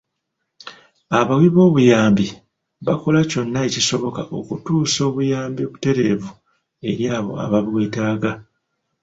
Abawi b'obuyambi bakola kyonna ekisoboka okutuusa obuyambi butereevu eri abo ababwetaaga.